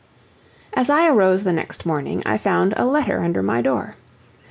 As I arose the next morning, I found a letter under my door.